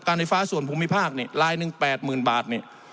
การไฟฟ้าส่วนภูมิภาค๘๐๐๐บาท